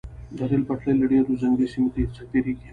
د ریل پټلۍ له ډیرو ځنګلي سیمو څخه تیریږي